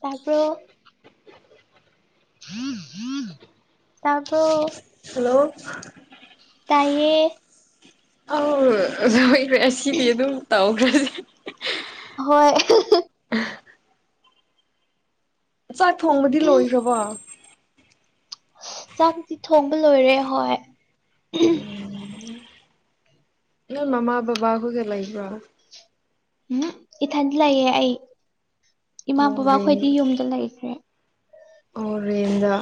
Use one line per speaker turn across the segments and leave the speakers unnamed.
ꯇꯥꯕꯔꯣ ꯇꯥꯕꯔꯣ
ꯍꯥꯜꯂꯣ
ꯇꯥꯏꯌꯦ
ꯎꯝ ꯍꯣꯏ ꯉꯥꯁꯤꯗꯤ ꯑꯗꯨꯝ ꯇꯧꯈ꯭ꯔꯁꯦ
ꯍꯣꯏ
ꯆꯥꯛ ꯊꯣꯡꯕꯗꯤ ꯂꯣꯏꯈ꯭ꯔꯕꯣ
ꯆꯥꯛꯄꯨꯗꯤ ꯊꯣꯡꯕ ꯂꯣꯏꯔꯦ ꯍꯣꯏ
ꯅꯪ ꯃꯃꯥ ꯕꯥꯕꯥ ꯈꯣꯏꯒ ꯂꯩꯕ꯭ꯔꯥ
ꯎꯝ ꯏꯊꯟ ꯂꯩꯌꯦ ꯑꯩ ꯏꯃꯥ
ꯑꯣ
ꯕꯕꯥ
ꯔꯦꯟ
ꯈꯣꯏꯗꯤ ꯌꯨꯝꯗ ꯂꯩꯈ꯭ꯔꯦ
ꯑꯣ ꯔꯦꯟꯗ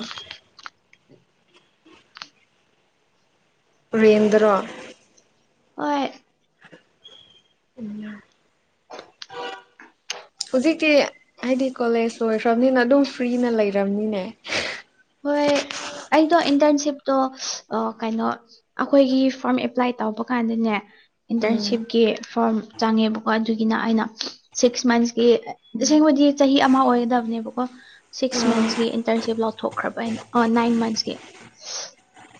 ꯔꯦꯟꯗ ꯕꯣ
ꯍꯣꯏ
ꯎ [inaudible] ꯍꯧꯖꯤꯛꯇꯤ ꯍꯥꯏꯗꯤ ꯀꯣꯂꯦꯖ ꯂꯣꯏꯈ꯭ꯔꯕꯅꯤꯅ ꯑꯗꯨꯝ ꯐ꯭ꯔꯤꯅ ꯂꯩꯔꯝꯅꯤꯅꯦ
ꯍꯣꯏ
[unintelligible]
ꯑꯩꯗꯣ ꯏꯟꯇꯔꯟꯁꯤꯞꯇꯣ ꯀꯩꯅꯣ ꯑꯩꯈꯣꯏꯒꯤ ꯐ꯭ꯔꯝ ꯑꯦꯄ꯭ꯂꯥꯏ ꯇꯧꯕ ꯀꯥꯟꯗꯥꯅꯦ
ꯎꯝ
ꯏꯟꯇꯔꯟꯁꯤꯞꯀꯤ ꯐꯔꯣꯝ ꯆꯪꯉꯦꯕꯥꯀꯣ ꯑꯗꯨꯒꯤꯅ ꯑꯩꯅ ꯁꯤꯛꯁ ꯃꯟꯠꯁꯀꯤ ꯑꯁꯦꯡꯕꯗꯤ ꯆꯥꯍꯤ ꯑꯃ ꯑꯣꯏꯒꯗꯕꯅꯦꯕꯥꯀꯣ ꯁꯤꯛꯁ ꯃꯟꯁꯀꯤ ꯏꯟꯇꯔꯟꯁꯤꯞ ꯂꯥꯎꯊꯣꯛꯈ꯭ꯔꯕ ꯅꯥꯏꯟ ꯃꯟꯁꯀꯤ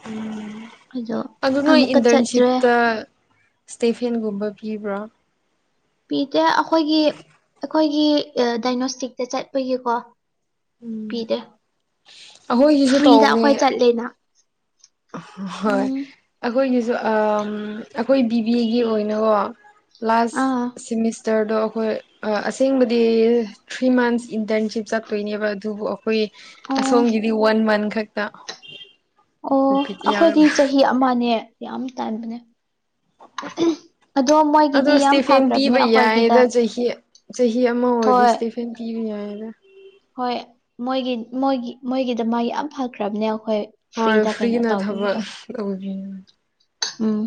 ꯎꯝ
ꯑꯗꯣ
ꯑꯗꯨ ꯅꯣꯏ
ꯑꯃꯨꯛꯀ ꯆꯠꯇ꯭ꯔꯦ
ꯏꯟꯇꯔꯟꯁꯤꯞꯇ ꯏꯁ꯭ꯇꯦꯐꯦꯟꯒꯨꯝꯕ ꯄꯤꯕ꯭ꯔꯥ
ꯄꯤꯗꯦ ꯑꯩꯈꯣꯏꯒꯤ ꯑꯩꯈꯣꯏꯒꯤ ꯗꯥꯏꯒꯅꯣꯁꯇꯤꯛꯇ ꯆꯠꯄꯒꯤꯀꯣ
ꯎꯝ
ꯄꯤꯗꯦ
ꯑꯩꯈꯣꯏꯒꯤꯁꯨ
ꯐ꯭ꯔꯤꯗ
ꯇꯧꯕꯅꯦ
ꯑꯩꯈꯣꯏ ꯆꯠꯂꯦꯅ
ꯍꯣꯏ
ꯎꯝ
ꯑꯩꯈꯣꯏꯒꯤꯁꯨ ꯎꯝ ꯑꯩꯈꯣꯏ ꯕꯤꯕꯤꯑꯦꯒꯤ ꯑꯣꯏꯅꯥꯀꯣ ꯂꯥꯁ
ꯑꯥ
ꯁꯤꯃꯤꯁ ꯆꯔꯗꯣ ꯑꯩꯈꯣꯏ ꯑꯁꯦꯡꯕꯗꯤ ꯊ꯭ꯔꯤ ꯃꯟꯠꯁ ꯏꯟꯇꯔꯟꯁꯤꯞ ꯆꯠꯇꯣꯏꯅꯦꯕ ꯑꯗꯨꯕꯨ ꯑ ꯑꯩꯈꯣꯏ
ꯑꯣ
ꯑꯁꯣꯝꯒꯤꯗꯤ ꯋꯥꯟ ꯃꯟꯠ ꯈꯛꯇ
ꯑꯣ
ꯔꯤꯄꯤꯠ ꯌꯥꯎꯗ
ꯑꯩꯈꯣꯏꯗꯤ ꯆꯍꯤ ꯑꯃꯅꯦ ꯌꯥꯝ ꯇꯥꯟꯕꯅꯦ ꯑꯗꯣ ꯃꯣꯏꯒꯤꯗꯤ
ꯑꯗꯣ
ꯌꯥꯝ
ꯏꯁꯇꯤꯐꯦꯟ
ꯐꯈ꯭ꯔꯕꯥꯅꯦ
ꯄꯤꯕ
ꯑꯩꯈꯣꯏꯒꯤꯗ
ꯌꯥꯏꯌꯦꯗ ꯆꯍꯤ ꯆꯍꯤ ꯑꯃ ꯑꯣꯏꯔꯗꯤ
ꯍꯣꯏ
ꯏꯁꯇꯦꯐꯦꯟ ꯄꯤꯕ ꯌꯥꯏꯗ
ꯍꯣꯏ ꯃꯣꯏꯒꯤ ꯃꯣꯏꯒꯤ ꯃꯣꯏꯒꯤꯗ ꯃꯥꯏ ꯌꯥꯝ ꯐꯈ꯭ꯔꯕꯅꯦ ꯑꯩꯈꯣꯏ
ꯍꯣꯏ
ꯐ꯭ꯔꯤꯗ ꯀꯩꯅꯣ
ꯐ꯭ꯔꯤꯅ ꯊꯕꯛ
ꯇꯧꯕꯤꯕꯗꯣ
ꯇꯧꯕꯅꯦ
ꯎꯝ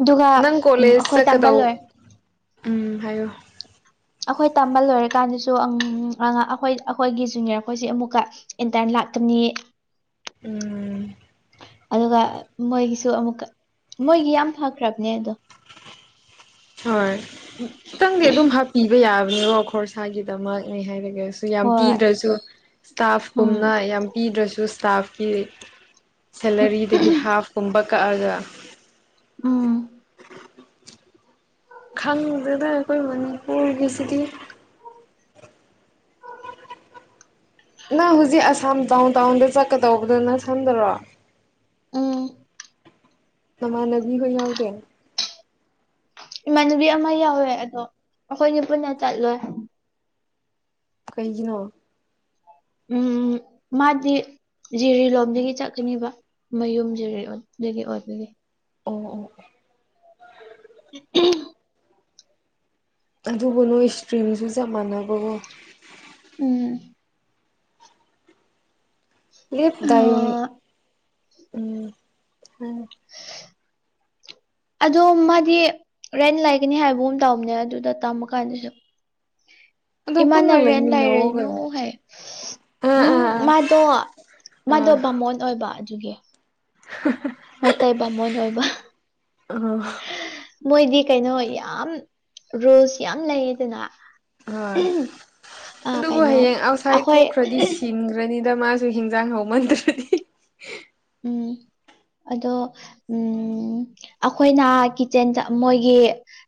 ꯑꯗꯨꯒ
ꯅꯪ
ꯎꯝ
ꯀꯣꯂꯦꯖ
ꯑꯩꯈꯣꯏ ꯇꯝꯕ
ꯆꯠꯀꯗꯧ
ꯂꯣꯏ
ꯎꯝ ꯍꯥꯏꯌꯣ
ꯑꯩꯈꯣꯏ ꯇꯝꯕ ꯂꯣꯏꯔꯀꯥꯟꯗꯁꯨ ꯑꯩꯈꯣꯏ ꯑꯩꯈꯣꯏꯒꯤ ꯖꯨꯅꯤꯌꯔ ꯑꯩꯈꯣꯏꯁꯤ ꯑꯃꯨꯛꯀ ꯏꯟꯇꯔꯟ ꯂꯥꯛꯀꯥꯅꯤ
ꯎꯝ
ꯑꯗꯨꯒ ꯃꯣꯏꯒꯤꯁꯨ ꯑꯃꯨꯛꯀ ꯃꯣꯏꯒꯤ ꯌꯥꯝ ꯐꯈ꯭ꯔꯕꯅꯦ ꯑꯗꯣ
ꯍꯣꯏ ꯈꯤꯇꯪꯗꯤ ꯑꯗꯨꯝ ꯍꯥꯞꯄꯤꯕ ꯌꯥꯕꯅꯦꯕ ꯈꯣꯔꯁꯥꯒꯤꯗꯃꯛꯅꯦ ꯍꯥꯏꯔꯒꯁꯨ ꯌꯥꯝ
ꯍꯣꯏ
ꯄꯤꯗ꯭ꯔꯁꯨ ꯏꯁꯇꯥꯞ
ꯎꯝ
ꯀꯨꯝꯅ ꯌꯥꯝ ꯄꯤꯗ꯭ꯔꯁꯨ ꯏꯁꯇꯥꯞꯀꯤ ꯁꯦꯂꯥꯔꯤꯗꯒꯤ ꯍꯥꯞ ꯀꯨꯝꯕ ꯀꯛꯑꯒ
ꯎꯝ
ꯈꯪꯗ꯭ꯔꯦꯗꯥ ꯑꯩꯈꯣꯏ ꯃꯅꯤꯄꯨꯔꯒꯤ ꯁꯤꯗꯤ ꯅꯪ ꯍꯧꯖꯤꯛ ꯑꯁꯥꯝ ꯗꯥꯎꯟ ꯇꯥꯎꯟꯗ ꯆꯠꯀꯗꯧꯕꯗꯨ ꯅꯊꯟꯗꯔꯣ
ꯎꯝ
ꯅꯃꯥꯟꯅꯕꯤ ꯍꯣꯏ ꯌꯥꯎꯗꯦ
ꯏꯃꯥꯟꯅꯕꯤ ꯑꯃ ꯌꯥꯎꯋꯦ ꯑꯗꯣ ꯑꯩꯈꯣꯏꯅꯤ ꯄꯨꯟꯅ ꯆꯠꯂꫭꯏ
ꯀꯩꯒꯤꯅꯣ
ꯎꯝ ꯃꯥꯗꯤ ꯖꯤꯔꯤ ꯂꯣꯝꯗꯒꯤ ꯆꯠꯀꯅꯤꯕ ꯃꯌꯨꯝ ꯖꯤꯔꯤ ꯂꯣꯝꯗꯒꯤ ꯑꯣꯏꯕꯒꯤ
ꯑꫭ ꯑꫭ
[unintelligible]
ꯑꯗꯨꯕꯨ ꯅꯣꯏ ꯁꯇ꯭ꯔꯤꯝꯁꯨ ꯆꯞ ꯃꯥꯟꯅꯕꯀꯣ
ꯎꯝ
ꯂꯦꯞꯗꯥꯏ [unintelligible]
ꯑꯗꯣ ꯃꯥꯗꯤ ꯔꯦꯟ ꯂꯩꯒꯅꯤ ꯍꯥꯏꯕꯒꯨꯝ ꯇꯧꯕꯅꯦ ꯑꯗꯨꯗ ꯇꯝꯃ ꯀꯥꯟꯗꯁꯨ
ꯑꯗꯣ
ꯏꯃꯥꯅ
ꯄꯨꯟꯅ
ꯔꯦꯟꯠ
ꯂꯩꯃꯤꯟꯅꯧꯑꯣ
ꯂꯩꯔꯥꯅꯨ
ꯀꯩꯅꯣ
ꯍꯥꯏꯌꯦ
ꯑꯥ ꯑꯥ
ꯎꯝ
ꯑꯥ
ꯃꯥꯗꯣ ꯃꯥꯗꯣ
ꯑꯥ
ꯕꯥꯃꯣꯟ ꯑꯣꯏꯕ ꯑꯗꯨꯒꯤ
[unintelligible]
ꯃꯩꯇꯩ ꯕꯥꯃꯣꯟ ꯑꯣꯏꯕ
ꯑꯥ
ꯃꯣꯏꯗꯤ ꯀꯩꯅꯣ ꯌꯥꯝ ꯔꯨꯜꯁ ꯌꯥꯝ ꯂꯩꯌꯦꯗꯅ ꯑ
ꯍꯣꯏ ꯑꯗꯨꯕꯨ
ꯀꯩꯅꯣ
ꯍꯌꯦꯡ ꯑꯥꯎꯠꯁꯥꯏꯠ
ꯑꯩꯈꯣꯏ
ꯊꯣꯛꯈ꯭ꯔꯗꯤ ꯁꯤꯡꯈ꯭ꯔꯅꯤꯗ ꯃꯥ ꯗꯨ ꯍꯤꯟꯖꯥꯡ ꯍꯥꯎꯃꯟꯗ꯭ꯔꯗꯤ
ꯎꯝ ꯑꯗꯣ ꯎꯝ ꯑꯩꯈꯣꯏꯅ ꯑ ꯀꯤꯆꯟꯗ ꯃꯣꯏꯒꯤ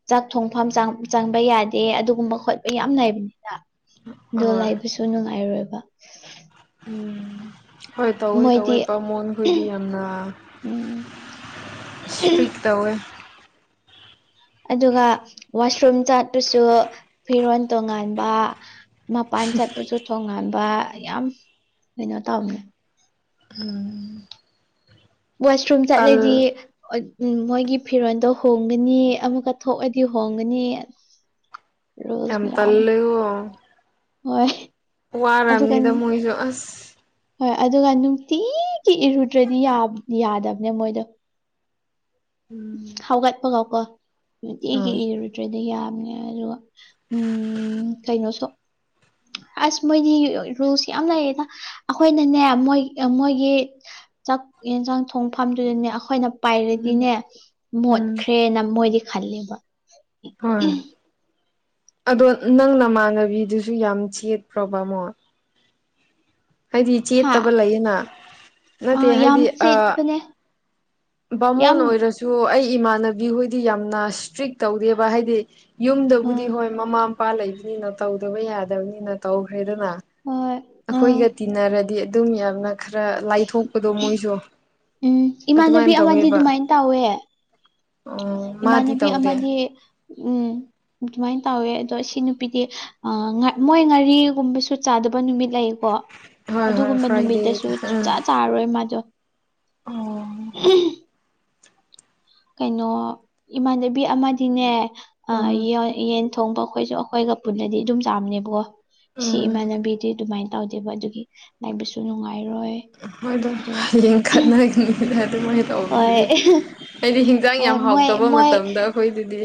ꯆꯥꯛ ꯊꯣꯡꯐꯝ ꯆꯪꯕ ꯌꯥꯗꯦ ꯑꯗꯨꯒꯨꯝꯕ ꯈꯣꯠꯄ ꯌꯥꯝ ꯂꯩꯕꯅꯤꯅ ꯑꯗꯣ
ꯑꯍꯣꯏ
ꯂꯩꯕꯥꯁꯨ ꯅꯨꯡꯉꯥꯏꯔꯣꯏꯕ
ꯎꯝ ꯍꯣꯏ ꯇꯧꯋꯏ
ꯃꯣꯏꯗꯤ
ꯇꯧꯋꯏ ꯕꯥꯃꯣꯟꯈꯣꯏꯗꯤ ꯌꯥꯝꯅ
ꯎꯝ
ꯏꯁꯄ꯭ꯔꯤꯛ ꯇꯧꯋꯦ
ꯑꯗꯨꯒ ꯋꯥꯁꯔꯨꯝ ꯆꯥꯄꯁꯨ ꯐꯤꯔꯣꯜ ꯇꯣꯉꯥꯟꯕ ꯃꯄꯥꯟ ꯆꯠꯄꯁꯨ ꯊꯣꯡꯉꯥꯟꯕ ꯌꯥꯝ ꯀꯩꯅꯣ ꯇꯧꯅꯦ
ꯎꯝ
ꯋꯥꯁꯔꯨꯝ
ꯇꯜ
ꯆꯠꯂꯗꯤ ꯎꯝ ꯃꯣꯏꯒꯤ ꯐꯤꯔꯣꯟꯜꯗꯣ ꯍꯣꯡꯒꯅꯤ ꯑꯃꯨꯛꯀ ꯊꯣꯛꯑꯗꯤ ꯍꯣꯡꯒꯅꯤ
[inaudible]
ꯔꯣꯖꯃꯤꯌꯥꯝ ꯍꯣꯏ
ꯋꯥ
ꯑꯗꯨꯒ
ꯑꯔꯝꯅꯤꯗ ꯃꯣꯏꯁꯨ ꯑꯁ
ꯍꯣꯏ ꯑꯗꯨꯒ ꯅꯨꯡꯇꯤꯒꯤ ꯏꯔꯨꯗ꯭ꯔꯗꯤ ꯌꯥꯗꯕꯅꯦ ꯃꯣꯏꯗꯣ
ꯎꯝ
ꯍꯧꯒꯠꯄꯒꯥꯎꯀꯣ ꯍꯧꯅꯨꯡꯇꯤ ꯑꯩꯒꯤ
ꯍꯣꯏ
ꯏꯔꯔꯨꯗ꯭ꯔꯦꯗꯤ ꯌꯥꯝꯕꯅꯦ ꯑꯗꯨꯒ ꯎꯝ ꯀꯩꯅꯣ ꯁ
[inaudible]
ꯑꯁ ꯃꯣꯏꯗꯤ ꯔꯨꯜꯁ ꯌꯥꯝ ꯂꯩꯌꯦꯗ ꯑꯩꯈꯣꯏꯅꯅꯦ ꯃꯣꯏ ꯃꯣꯏꯒꯤ ꯆꯥꯛ ꯌꯦꯟꯁꯥꯡ ꯊꯣꯡꯐꯝꯗꯨꯗꯅꯦ ꯑꯩꯈꯣꯏꯅ ꯄꯥꯏꯔꯗꯤꯅꯦ
ꯎꯝ
ꯃꯣꯠꯈ꯭ꯔꯦꯅ ꯃꯣꯏꯗꯤ ꯈꯜꯂꯦꯕ
ꯍꯣꯏ ꯑꯗꯣ ꯅꯪ ꯅꯃꯥꯟꯅꯕꯤꯗꯨꯁꯨ ꯌꯥꯝ ꯆꯦꯠꯄ꯭ꯔꯣꯕ ꯕꯥꯃꯣꯟ ꯍꯥꯏꯗꯤ
ꯍꯥ
ꯆꯦꯠꯇꯕ ꯂꯩꯌꯦꯅ ꯅꯠꯇꯦ
ꯑ ꯌꯥꯝ
ꯍꯥꯏꯗꯤ
ꯆꯦꯠꯄꯅꯦ ꯌꯥꯝ
ꯕꯥꯃꯣꯟ ꯑꯣꯏꯔꯁꯨ ꯑꯩ ꯏꯃꯥꯟꯅꯕꯤ ꯍꯣꯏꯗꯤ ꯌꯥꯝꯅ ꯏꯁꯇ꯭ꯔꯤꯛ ꯇꯧꯗꯦꯕ ꯍꯥꯏꯗꯤ ꯌꯨꯝꯗꯕꯨꯗꯤ
ꯎꯝ
ꯍꯣꯏ ꯃꯃꯥ ꯃꯄꯥ ꯂꯩꯕꯅꯤꯅ ꯇꯧꯗꯕ ꯌꯥꯗꯕꯅꯤꯅ ꯇꯧꯈ꯭ꯔꯦꯗꯅ
ꯍꯣꯏ ꯎꯝ
ꯑꯩꯈꯣꯏꯒ ꯇꯤꯟꯅꯔꯗꯤ ꯑꯗꯨꯝ ꯌꯥꯝꯅ ꯈꯔ ꯂꯥꯏꯊꯣꯛꯄꯗꯣ ꯃꯣꯏꯁꯨ
ꯎꯝ ꯏꯃꯥꯟꯅꯕꯤ
ꯑꯗꯨꯃꯥꯏꯅ
ꯑꯃꯗꯤ
ꯇꯧꯋꯦꯕ
ꯑꯗꯨꯃꯥꯏꯅ ꯇꯧꯋꯦ
ꯑꯣ ꯃꯥꯗꯤ
ꯏꯃꯥꯟꯅꯕꯤ
ꯇꯧꯗꯦ
ꯑꯃꯗꯤ ꯎꯝ ꯑꯗꯨꯃꯥꯏꯅ ꯇꯧꯋꯦ ꯑꯗꯣ ꯁꯤ ꯅꯨꯄꯤꯗꯤ ꯑ ꯉꯥ ꯃꯣꯏ ꯉꯥꯔꯤꯒꯨꯝꯕꯁꯨ ꯆꯥꯗꯕ ꯅꯨꯃꯤꯠ ꯂꯩꯀꯣ
ꯍꯣꯏ ꯍꯣꯏ
ꯑꯗꯨꯒꯨꯝꯕ ꯅꯨꯃꯤꯠꯇꯁꯨ
ꯐ꯭ꯔꯥꯏꯗꯦꯗ ꯎꯝ
ꯁꯨꯡꯆꯥ ꯆꯥꯔꯔꯣꯏ ꯃꯥꯗꯣ
ꯑꯣ
ꯀꯩꯅꯣ ꯏꯃꯥꯟꯅꯕꯤ ꯑꯃꯗꯤꯅꯦ
ꯎꯝ
ꯊꯣꯡꯕ ꯑꯩꯈꯣꯏꯁꯨ ꯑꯩꯈꯣꯏꯒ ꯄꯨꯟꯅꯗꯤ ꯑꯗꯨꯝ ꯆꯥꯝꯅꯦꯕꯀꯣ ꯁꯤ
ꯎꯝ
ꯏꯃꯥꯟꯅꯕꯤꯗꯤ ꯑꯗꯨꯃꯥꯏꯅ ꯇꯧꯗꯦꯕ ꯑꯗꯨꯒꯤ ꯂꯥꯛꯕꯁꯨ ꯅꯨꯡꯉꯥꯏꯔꯣꯏ
ꯃꯣꯏꯗꯣ
ꯑꯗꯨꯒ
ꯂꯤꯡꯈꯠꯅꯒꯅꯤꯅ ꯑꯗꯨꯃꯥꯏꯅ
ꯍꯣꯏ
ꯇꯧꯕꯗꯨꯗꯤ ꯑꯩꯗꯤ ꯍꯖꯥꯡ ꯌꯥꯝ
ꯍꯣꯏ ꯃꯣꯏ
ꯍꯥꯎꯇꯕ
ꯃꯣꯏ
ꯃꯇꯝꯗ ꯑꯩꯈꯣꯏꯗꯗꯤ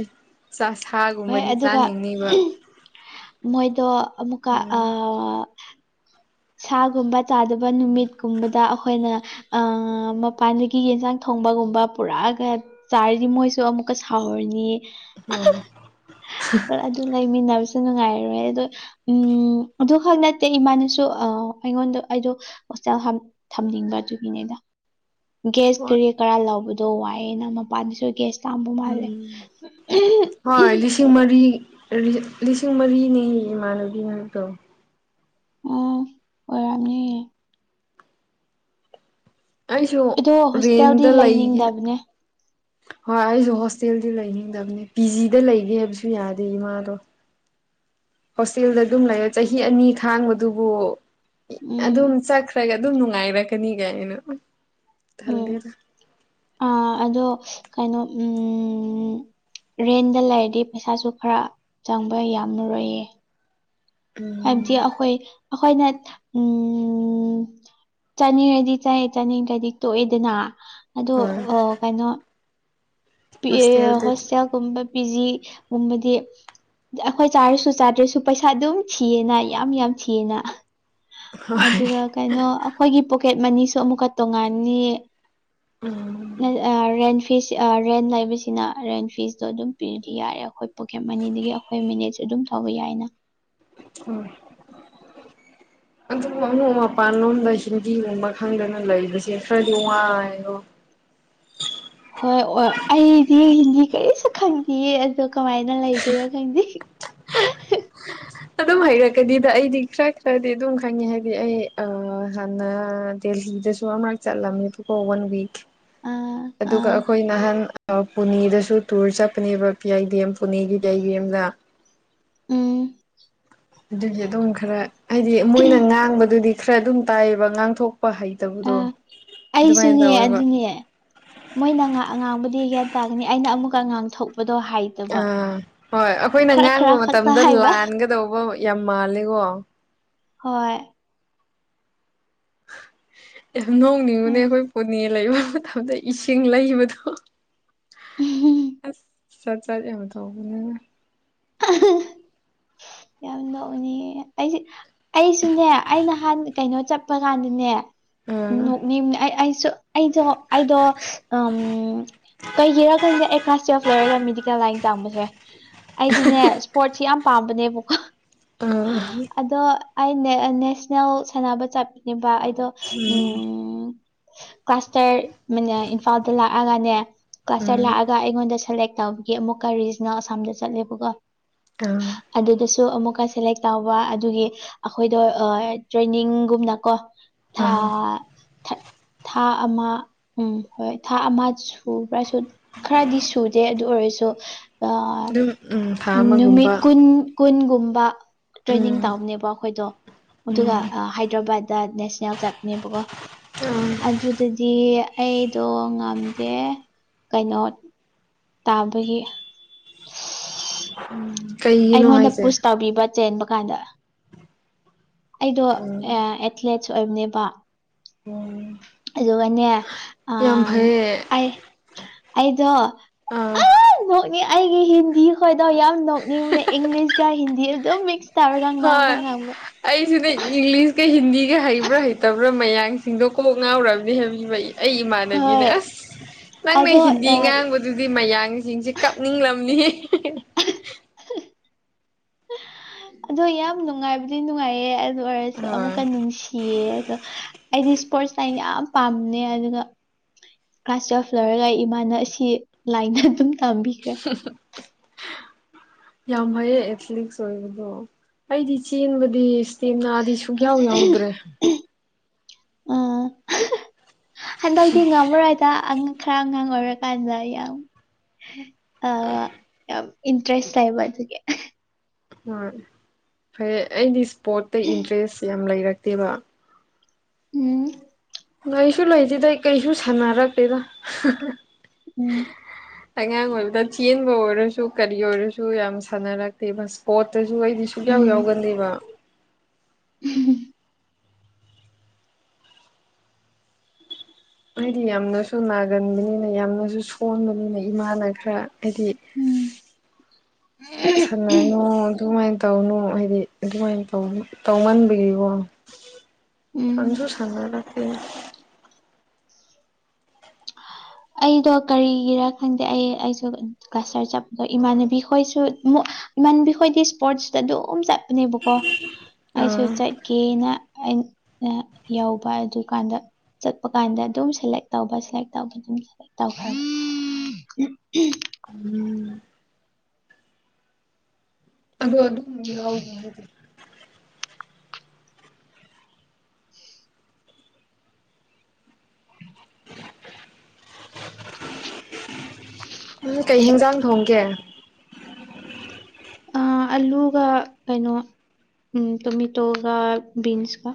ꯆꯥꯛ ꯁꯥꯒꯨꯝꯕꯗꯤ ꯆꯥꯅꯤꯡꯅꯤꯕ
ꯃꯣꯏꯗ ꯑꯃꯨꯀ ꯑ
ꯎꯝ
ꯑꯩꯈꯣꯏꯅ ꯃꯄꯥꯟꯗꯒꯤ ꯌꯦꯟꯁꯥꯡ ꯊꯣꯡꯕꯒꯨꯝꯕ ꯄꯨꯔꯥꯒ ꯆꯔꯗꯤ ꯃꯣꯏꯁꯨ ꯑꯃꯨꯛꯀ ꯁꯍꯔꯅꯤ
ꯍꯣꯏ
ꯑꯗꯨ ꯂꯩꯃꯤꯟꯅꯕꯁꯨ ꯅꯨꯡꯉꯥꯏꯔꯦ ꯑꯗꯣ ꯎꯝ ꯑꯗꯨꯈꯛ ꯅꯠꯇꯦ ꯏꯃꯥꯅꯁꯨ ꯑ ꯑꯩꯉꯣꯟꯗ ꯑꯩꯗꯣ ꯍꯣꯁꯇꯦꯜ ꯊꯝꯅꯤꯡꯕ ꯑꯗꯨꯒꯤꯅꯦꯗ ꯒ꯭ꯦꯁ
ꯍꯣꯏ
ꯀꯔꯤ ꯀꯔꯥ ꯂꯕꯗꯣ ꯋꯥꯏꯦ ꯅ ꯃꯄꯥꯟꯗꯁꯨ ꯒꯦꯌꯥꯁ ꯇꯝꯕ ꯃꯥꯜꯂꯦ
ꯎꯝ ꯍꯣꯏ ꯂꯤꯁꯤꯡ ꯃꯔꯤ ꯂꯤꯁꯤꯡ ꯃꯔꯤꯅꯤ ꯏꯃꯥꯟꯅꯕꯤꯗꯣ
ꯑꯣ ꯑꯣꯏꯔꯝꯅꯤ
ꯑꯩꯁꯨ
ꯑꯗꯣ ꯍꯣꯁꯇꯦꯜꯗꯤ
ꯔꯦꯟꯇꯗ ꯂꯩꯒꯦ
ꯂꯩꯅꯤꯡꯗꯕꯅꯦ
ꯍꯣꯏ ꯑꯩꯁꯨ ꯍꯣꯁꯇꯦꯜꯗꯤ ꯂꯩꯅꯤꯡꯗꯕꯅꯦ ꯄꯤ ꯖꯤꯗ ꯂꯩꯒꯦ ꯍꯥꯏꯕꯁꯨ ꯌꯥꯗꯦ ꯏꯃꯥꯗꯣ ꯍꯣꯁꯇꯦꯜꯗ ꯑꯗꯨꯝ ꯂꯩꯔ ꯆꯍꯤ ꯑꯅꯤ ꯈꯥꯡꯕꯗꯨꯕꯨ ꯑꯗꯨꯝ
ꯎꯝ
ꯆ ꯐꯔꯒ ꯑꯗꯨꯝ ꯅꯨꯡꯉꯥꯏꯔꯛꯀꯅꯤꯒ ꯑꯩꯅ ꯈꯜꯗꯦꯔ
ꯑ ꯑꯗꯣ ꯀꯩꯅꯣ ꯎꯝ ꯔꯦꯟꯗ ꯂꯩꯔꯗꯤ ꯄꯩꯁꯥꯁꯨ ꯈꯔ ꯆꯪꯕ ꯌꯥꯝꯃꯔꯣꯏꯌꯦ ꯍꯥꯏꯕꯗꯤ ꯑꯩꯈꯣꯏ ꯑꯩꯈꯣꯏꯅ ꯎꯝ ꯆꯥꯅꯤꯡꯔꯗꯤ ꯆꯥꯏꯌꯦ ꯆꯥꯅꯤꯡꯗ꯭ꯔꯗꯤ ꯇꯣꯛꯑꯦꯗꯅ ꯑꯗꯣ
ꯍꯣꯏ
ꯀꯩꯅꯣ ꯄꯤ
ꯍꯣꯁꯇꯦꯜꯗꯗꯤ
ꯍꯣꯁꯇꯦꯜꯒꯨꯝꯕ ꯄꯤ ꯖꯤꯒꯨꯝꯕꯗꯤ ꯑꯩꯈꯣꯏ ꯆꯥꯔꯁꯨ ꯆꯥꯗ꯭ꯔꯁꯨ ꯄꯩꯁꯥ ꯑꯗꯨꯝ ꯊꯤꯑꯅ ꯌꯥꯝ ꯌꯥꯝ ꯊꯤꯑꯅ
ꯍꯣꯏ
ꯑꯗꯨꯒ ꯀꯩꯅꯣ ꯑꯩꯈꯣꯏꯒꯤ ꯄꯣꯀꯦꯠ ꯃꯅꯤꯁꯨ ꯑꯃꯨꯛꯀ ꯇꯣꯡꯉꯥꯟꯅꯤ
ꯎꯝ
ꯔꯦꯟꯐꯤꯁ ꯔꯦꯟ ꯂꯩꯕꯁꯤꯅ ꯔꯦꯟ ꯐꯤꯁꯇꯣ ꯑꯗꯨꯝ ꯄꯤꯗꯤ ꯌꯥꯔꯦ ꯑꯩꯈꯣꯏ ꯄꯣꯀꯦꯠ ꯃꯅꯤꯗꯒꯤ ꯑꯩꯈꯣꯏ ꯃꯤꯅꯦꯠꯁꯨ ꯑꯗꯨꯝ ꯊꯧꯕ ꯌꯥꯏꯅ
ꯑꯣꯝ ꯑꯗꯨꯝ ꯑꯃꯛ ꯃꯄꯥꯟ ꯂꯣꯝꯗ ꯍꯤꯟꯗꯤꯒꯨꯝꯕ ꯈꯪꯗꯅ ꯂꯩꯕꯁꯦ ꯈꯔꯗꯤ ꯋꯥꯏꯗꯣ
ꯍꯣꯏ ꯑꯣꯏ ꯑꯩꯗꯤ ꯍꯤꯟꯗꯤ ꯀꯔꯤꯁꯨ ꯈꯪꯗꯤꯌꯦ ꯑꯗꯣ ꯀꯃꯥꯏꯅ ꯂꯩꯗꯣꯏꯔꯥ ꯈꯪꯗꯦ
ꯑꯗꯨꯝ ꯍꯩꯔꯛꯀꯅꯤꯗ ꯑꯩꯗꯤ ꯈꯔ ꯈꯔꯗꯤ ꯑꯗꯨꯝ ꯈꯪꯉꯦ ꯍꯥꯏꯗꯤ ꯑꯩ ꯍꯥꯟꯅ ꯗꯦꯜꯂꯤꯗꯁꯨ ꯑꯃꯛꯔꯛ ꯆꯠꯂꯝꯃꯤꯕꯀꯣ ꯋꯥꯟ ꯋꯤꯛ
ꯑꯥ
ꯑꯗꯨꯒ
ꯑꯥ
ꯑꯈꯣꯏ ꯅꯍꯥꯟ ꯄꯨꯅꯦꯗꯁꯨ ꯇꯨꯔ ꯆꯠꯄꯅꯦꯕ ꯄꯤꯌꯥꯏꯗꯦꯝ ꯄꯨꯅꯦꯒꯤ ꯄꯤꯌꯥꯏꯗꯦꯝꯗ
ꯎꯝ
ꯑꯗꯨꯒꯤ ꯑꯗꯨꯝ ꯈꯔ ꯍꯥꯏꯗꯤ ꯃꯣꯏꯅ ꯉꯥꯡꯕꯗꯨꯗꯤ ꯈꯔ ꯑꯗꯨꯝ ꯇꯥꯏꯌꯦꯕ ꯉꯥꯡꯊꯣꯛꯄ ꯍꯩ
ꯑ ꯑꯩꯁꯨꯅꯦ ꯑꯗꯨꯅꯦ ꯃꯣꯏꯅ ꯑꯉꯥꯡꯕꯨꯗꯤ ꯍꯒ꯭ꯌꯥꯟ ꯇꯥꯒꯅꯤ ꯑꯩꯅ ꯑꯃꯨꯛꯀ ꯑꯉꯥꯡ ꯊꯣꯛꯄꯗꯣ ꯍꯥꯏꯦ
ꯑꯥ ꯍꯣꯏ ꯑꯩꯈꯣꯏꯅ ꯉꯥꯡꯕ
ꯈꯛꯇ
ꯃꯇꯝꯗ
ꯍꯥꯏꯕ
ꯂꯥꯟꯒꯗꯧꯕ ꯌꯥꯝ ꯃꯥꯜꯂꯦꯀꯣ
ꯍꯣꯏ
ꯌꯥꯝ ꯅꯣꯡꯅꯤꯡꯕꯅꯦ
ꯎꯝ
ꯑꯩꯈꯣꯏ ꯄꯨꯣꯅꯦ ꯂꯩꯕ ꯃꯇꯝꯗ ꯏꯁꯤꯡ ꯂꯩꯕꯗꯣ ꯑ ꯆꯠ ꯆꯠ ꯌꯥꯝ ꯇ
[inaudible] ꯌꯥꯝ [unintelligible] ꯑꯩꯁꯨꯅꯦ ꯑꯩ ꯅꯍꯥꯟ ꯀꯩꯅꯣ ꯆꯠꯄ ꯀꯥꯟꯗꯅꯦ
ꯎꯝ
ꯅꯣꯛꯅꯤꯡ ꯑꯩ ꯑꯩꯁꯨ ꯑꯩꯗꯣ ꯑꯩꯗꯣ ꯎꯝ ꯀꯩꯒꯤꯔ ꯈꯟꯗꯦ ꯑꯩ ꯀ꯭ꯂꯥꯁ ꯇꯨꯌꯦꯜꯞ ꯂꯣꯏꯔꯒ ꯃꯦꯗꯤꯀꯦꯜ ꯂꯥꯏꯟ ꯇꯥꯝꯕꯁꯦ ꯑꯩꯗꯤꯅꯦ ꯁ꯭ꯄꯣꯔꯠꯁ ꯌꯥꯝ ꯄꯥꯝꯕꯅꯦꯕ
ꯎꯝ
ꯑꯗꯣ ꯑꯩꯅꯦ ꯅꯦꯁꯅꯦꯜ ꯁꯥꯟꯅꯕ ꯆꯠꯄꯅꯦꯕ ꯑꯩꯗꯣ
ꯎꯝ
ꯀ꯭ꯂꯥꯁꯇꯔ [unintelligible] ꯏꯝꯐꯥꯜꯗ ꯂꯥꯛꯑꯒꯅꯦ ꯀ꯭ꯂꯥꯁꯇꯔ
ꯎꯝ
ꯂꯥꯛꯑꯒ ꯑꯩꯉꯣꯟꯗ ꯁꯦꯂꯦꯛ ꯇꯧꯕꯒꯤ ꯑꯃꯨꯛꯀ ꯔꯤꯖꯅꯦꯜ ꯑꯁꯥꯝꯗ ꯆꯠꯂꯦꯕꯀꯣ
[unintelligible]
ꯑꯗꯨꯗꯁꯨ ꯑꯃꯨꯛꯀ ꯁꯦꯂꯦꯛ ꯇꯧꯕ ꯑꯗꯨꯒꯤ ꯑꯩꯈꯣꯏꯗꯣ ꯑꯥ ꯇ꯭ꯔꯦꯅꯤꯡꯒꯨꯝꯅꯀꯣ
ꯎꯝ
ꯊꯥ-ꯊꯥ ꯊꯥ ꯑꯃ ꯎꯝ ꯍꯣꯏ ꯊꯥ ꯑꯃ ꯁꯨ ꯄꯨꯕ꯭ꯔꯥꯁꯨꯠ ꯈꯔꯗꯤ ꯁꯨꯗꯦ ꯑꯗꯨ ꯑꯣꯏꯔꯁꯨ ꯑ
ꯑꯗꯨꯝ ꯊꯥ
ꯎꯝ ꯅꯨꯃꯤꯠ
ꯑꯃꯒꯨꯝꯕ
ꯀꯨꯟ ꯀꯨꯟꯒꯨꯝꯕ ꯇ꯭ꯔꯦꯅꯤꯡ
ꯎꯝ
ꯇꯧꯕꯅꯦꯕ ꯑꯩꯈꯣꯏꯗꯣ ꯑꯗꯨꯒ
ꯎꯝ
ꯍꯥꯏꯗ꯭ꯔꯕꯥꯗ ꯅꯦꯁ ꯅꯦꯜ ꯆꯞꯅꯦꯕꯀꯣ
ꯎꯝ
ꯑꯗꯨꯗꯗꯤ ꯑꯩꯗꯣ ꯉꯝꯗꯦ ꯀꯩꯅꯣꯠ ꯇꯥꯕꯒꯤ
ꯎꯝ ꯀꯩꯒꯤꯅꯣ
ꯑꯩꯉꯣꯟꯗ
ꯍꯥꯏꯁꯦ
ꯄꯨꯁ ꯇꯧꯕꯤꯕ ꯆꯦꯟꯕ ꯀꯥꯟꯗ ꯑꯩꯗꯣ
ꯎꯝ
ꯑꯥ ꯑꯦꯊ꯭ꯂꯦꯠꯁ ꯑꯣꯏꯕꯅꯦꯕ
ꯎꯝ
ꯑꯗꯨꯒꯅꯦ ꯑ
ꯌꯥꯝ ꯐꯩꯌꯦ
ꯑꯩ ꯑꯩꯗꯣ
ꯑꯥ
ꯑ ꯅꯣꯛꯅꯤ ꯑꯩꯒꯤ ꯍꯤꯟꯗꯤ ꯃꯈꯣꯏꯗꯣ ꯌꯥꯝ ꯅꯣꯛꯅꯤꯡꯕꯅꯦ ꯏꯪꯂꯤꯁꯀ ꯍꯤꯟꯗꯤ ꯑꯗꯨꯝ ꯃꯤꯛꯁ ꯇꯧꯔꯒ ꯉꯥꯡꯕ
ꯍꯣꯏ
ꯉꯥꯡꯕ
ꯑꯩꯁꯨꯅꯦ ꯏꯪꯂꯤꯁꯀ ꯍꯤꯟꯗꯤꯒ ꯍꯩꯕ꯭ꯔꯥ ꯍꯩꯇꯕ꯭ꯔꯥ ꯃꯌꯥꯡꯁꯤꯡꯗꯣ ꯀꯣꯛ ꯉꯥꯎꯔꯝꯅꯤ [unintelligible] ꯑꯩ ꯏꯃꯥꯟꯅꯕꯤꯅ
ꯍꯣꯏ
ꯑꯁ ꯅꯪꯅ
ꯑꯗꯣ
ꯍꯤꯟꯗꯤ ꯉꯥꯡꯕꯗ ꯑꯗꯨꯗꯤ ꯃꯌꯥꯡꯁꯤꯡꯁꯦ ꯀꯞꯅꯤꯡꯔꯝꯅꯤꯍꯦ
ꯑꯗꯣ ꯌꯥꯝ ꯅꯨꯡꯉꯥꯏꯕꯨꯗꯤ ꯅꯨꯡꯉꯥꯏꯌꯦ ꯑꯗꯨ ꯑꯣꯏꯔꯁꯨ
ꯍꯣꯏ
ꯑꯃꯨꯛꯀ ꯅꯨꯡꯁꯤ ꯀꯤꯌꯦ ꯑꯗꯣ ꯑꯩꯗꯤ ꯏꯁꯄꯣꯔꯠꯁ ꯇ꯭ꯌꯥꯏꯝ ꯌꯥꯝ ꯄꯥꯝꯕꯅꯦ ꯑꯗꯨꯒ ꯀ꯭ꯂꯥꯁ ꯇꯨꯋꯦꯜꯐ ꯂꯣꯏꯔꯒ ꯏꯃꯥꯅ ꯑꯁꯤ ꯂꯥꯏꯅ ꯑꯗꯨꯝ ꯇꯝꯕꯤꯈ꯭ꯔꯦ
[inaudible] ꯌꯥꯝ ꯍꯩꯌꯦ ꯑꯦꯊ꯭ꯂꯤꯛꯁ ꯑꯣꯏꯕꯗꯣ ꯑꯩꯗꯤ ꯆꯦꯟꯕꯗꯤ ꯏꯁꯇꯦꯃꯤꯅꯥ ꯗꯤ ꯁꯨꯛꯌꯥꯎ ꯌꯥꯎꯗ꯭ꯔꯦ
ꯎ ꯍꯟꯗꯛꯇꯤ ꯉꯝꯃꯔꯣꯏꯗ ꯈꯔ ꯑꯉꯥꯡ ꯑꯣꯏꯔꯀꯥꯟꯗ ꯌꯥꯝ ꯑ ꯌꯥꯝ ꯏꯟꯇꯔꯦꯁ ꯂꯩꯕ ꯑꯗꯨꯒꯤ
ꯍꯣꯏ ꯐꯔꯦ ꯑꯩꯗꯤ ꯏꯁꯄꯣꯔꯠꯇ ꯏꯟꯇꯔꯦꯁ ꯌꯥꯝ ꯂꯩꯔꯛꯇꯦꯕ
ꯎꯝ
ꯂꯩꯁꯨ ꯂꯩꯇꯦꯗꯩ ꯀꯩꯁꯨ ꯁꯥꯟꯅꯔꯛꯇꯦꯗ꯫
ꯎꯝ
ꯑꯉꯥꯡ ꯑꯣꯏꯕꯗ ꯆꯦꯟꯕ ꯑꯣꯏꯔꯁꯨ ꯀꯔꯤ ꯑꯣꯏꯔꯁꯨ ꯌꯥꯝ ꯁꯥꯟꯅꯔꯛ ꯀꯩꯕ ꯁꯄꯣꯠꯇꯁꯨ ꯑꯩꯗꯤ ꯁꯨꯛꯌꯥꯎ
ꯎꯝ
ꯌꯥꯎꯒꯟꯗꯦꯕ ꯑꯩꯗꯤ ꯌꯥꯝꯅꯁꯨ ꯅꯥꯒꯟꯕꯅꯤꯅ ꯌꯥꯝꯅꯁꯨ ꯁꯣꯟꯕꯅꯤꯅ ꯏꯃꯥꯅ ꯈꯔ ꯑꯗꯤ
ꯎꯝ [inaudible]
ꯁꯥꯟꯅꯅꯨ ꯑꯗꯨꯃꯥꯏꯅ ꯇꯧꯅꯨ ꯍꯥꯏꯗꯤ ꯑꯗꯨꯃꯥꯏꯅ ꯇꯧꯃꯟꯕꯒꯤꯀꯣ
ꯎꯝ
ꯁꯪꯁꯨ ꯁꯪꯅꯔꯛꯇꯦ
ꯑꯩꯗꯣ ꯀꯔꯤꯒꯤꯔ ꯈꯪꯗꯦ ꯑꯩ ꯑꯩꯁꯨ ꯀꯁꯇꯔ ꯆꯠꯄꯗꯣ ꯏꯃꯥꯟꯅꯕꯤꯈꯣꯏꯁꯨ ꯃꯨꯛ ꯏꯃꯟꯕꯤ ꯈꯣꯏꯗꯤ ꯁ꯭ꯄꯣꯔꯠꯁꯇ ꯑꯗꯨꯝ ꯆꯠꯄꯅꯦꯕꯀꯣ ꯑꯩꯁꯨ
ꯑꯥ
ꯆꯠꯀꯦꯅ [inaudible] ꯌꯥꯎꯕ ꯑꯗꯨꯀꯥꯟꯗ ꯆꯠꯄ ꯀꯥꯟꯗ ꯑꯗꯨꯝ ꯁꯦꯂꯦꯛ ꯇꯧꯕ ꯁꯦꯂꯦꯛ ꯇꯧꯕ ꯑꯗꯨꯝ [unintelligible]
ꯑꯗꯣ ꯑꯗꯨꯝ ꯌꯥꯎꯅꯤ [unintelligible]
[unintelligible]
ꯎꯝ ꯀꯩꯍꯤꯟꯖꯥꯡ ꯊꯣꯡꯒꯦ?
ꯑꯂꯨꯒ ꯀꯩꯅꯣ ꯎꯝ ꯇꯣꯃꯦꯇꯣꯒ ꯕꯤꯟꯁꯀ꯫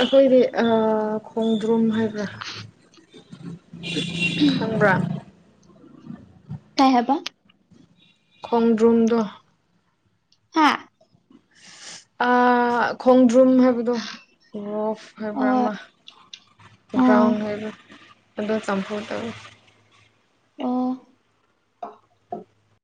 ꯑꯩꯈꯣꯏꯗꯤ ꯑꯥ ꯈꯣꯡꯗ꯭ꯔꯨꯝ ꯍꯥꯏꯕ꯭ꯔꯥ ꯈꯪꯕ꯭ꯔꯥ
ꯀꯩ ꯍꯥꯏꯕ
ꯈꯣꯡꯗ꯭ꯔꯨꯝꯗꯣ
ꯍꯥꯥ
ꯑꯥ ꯈꯣꯡꯗ꯭ꯔꯨꯝ ꯍꯥꯏꯕꯗꯣ ꯔꯣꯛꯐ ꯍꯥꯏꯕ꯭ꯔꯥ
ꯑꯣ
ꯑꯃ
ꯑꯣ
ꯒ꯭ꯔꯥꯎꯟ ꯑꯣꯏꯔ ꯑꯗꯨꯗ ꯆꯝꯐꯨꯠ ꯇꯧꯏ꯫
ꯑꯣ